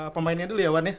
pemainnya dulu ya one ya